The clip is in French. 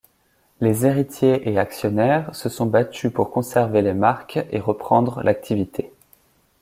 Les héritiers et actionnaires se sont battus pour conserver les marques et reprendre l'activité.